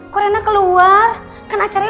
kok rena keluar kan acaranya